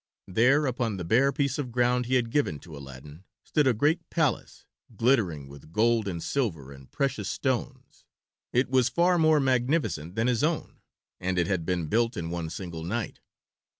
There, upon the bare piece of ground he had given to Aladdin, stood a great palace glittering with gold and silver and precious stones. It was far more magnificent than his own, and it had been built in one single night.